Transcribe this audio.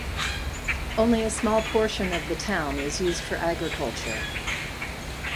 Only a small portion of the town is used for agriculture.